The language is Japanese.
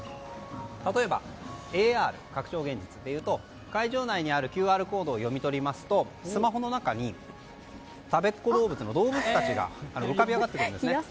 例えば、ＡＲ・拡張現実でいうと会場内にあるＱＲコードを読み取りますとスマホの中にたべっ子どうぶつのどうぶつたちが浮かび上がってくるんですね。